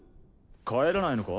帰らないのか？